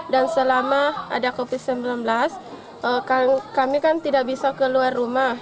dan selama ada covid sembilan belas kami kan tidak bisa keluar rumah